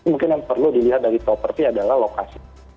mungkin yang perlu dilihat dari properti adalah lokasi